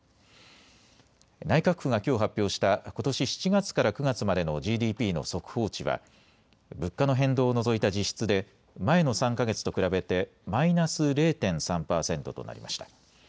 内閣府がきょう発表したことし７月から９月までのＧＤＰの速報値は物価の変動を除いた実質で前の３か月と比べてマイナス０．３％となりました。